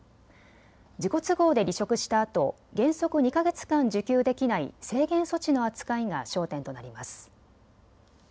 自己都合で離職したあと原則２か月間、受給できない制限措置の扱いが焦点となります。